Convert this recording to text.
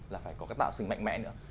là phải có cái tạo sinh mạnh mẽ nữa